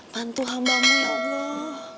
bantu hambamu ya allah